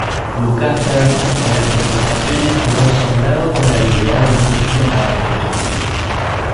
Lukather en las presentaciones quedó asombrado con la habilidad del músico en la batería.